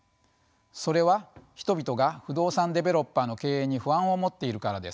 それは人々が不動産デベロッパーの経営に不安を持っているからです。